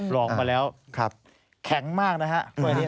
หล่องมาแล้วแข็งมากนะครับ